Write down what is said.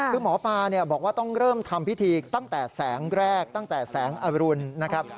คือหมอปลาบอกว่าต้องเริ่มทำพิธีตั้งแต่แสงแรกตั้งแต่แสงอรุณนะครับ